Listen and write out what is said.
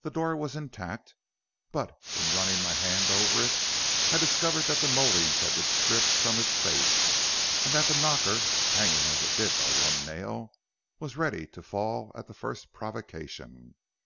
The door was intact, but in running my hand over it I discovered that the mouldings had been stripped from its face, and that the knocker, hanging as it did by one nail, was ready to fall at the first provocation.